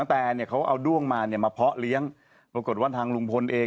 พลิกต๊อกเต็มเสนอหมดเลยพลิกต๊อกเต็มเสนอหมดเลย